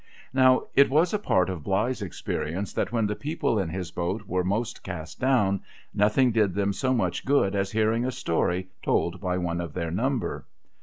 Now, it was a part of Bligh's experience that when the people in his boat were most cast down, nothing did them so much good as hearing a story told by one of their number.